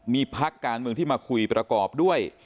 มีพักการเมืองที่มาคุยประกอบด้วย